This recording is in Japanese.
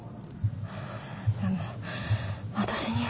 でも私には。